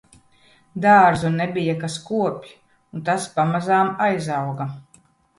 Dārzu nebija, kas kopj un tas pamazām aizauga